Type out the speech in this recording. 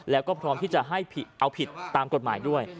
แล้วก็พร้อมที่จะให้เอาผิดตามกฎหมายด้วย